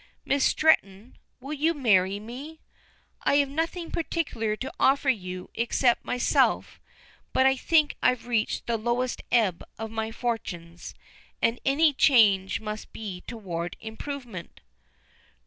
Miss Stretton, will you marry me? I have nothing particular to offer you except myself, but I think I've reached the lowest ebb of my fortunes, and any change must be toward improvement."